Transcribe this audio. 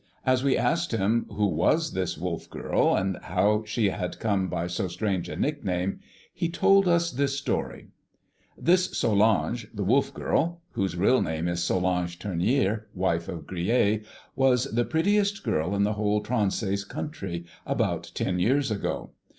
As we asked him who was this wolf girl, and how she had come by so strange a nickname, he told us this story, "This Solange, the wolf girl, whose real name is Solange Tournier, wife of Grillet, was the prettiest girl in the whole Tronsays country about ten years ago.